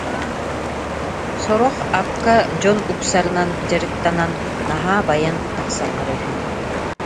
Сорох акка дьон уксарынан дьарыктанан наһаа байан тахсаллара үһү